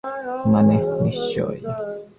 মানে, নিশ্চয়।